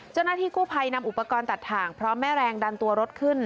เจ้าหน้าที่กู้ภัยนำอุปกรณ์ตัดถ่างพร้อมแม่แรงดันตัวรถขึ้น